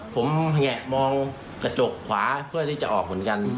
ผมแงะมองกระจกขวาเพื่อที่จะออกเหมือนกัน